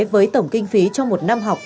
với tổng kinh phí trong một năm học